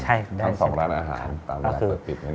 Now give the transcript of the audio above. ใช่ได้เช่นกันทั้ง๒ร้านอาหารตามเวลาเปิดปิด